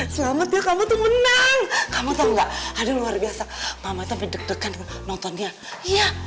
selamat ya kamu tuh menang kamu tau gak aduh luar biasa mama tapi deg degan nontonnya iya